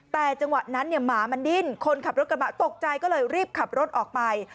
แต่จังหวะนั้นเนี่ยหมามันดิ้นคนขับรถกระบะตกใจก็เลยรีบขับรถออกไป